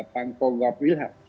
pak ngob wilhar